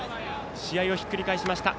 試合をひっくり返しました。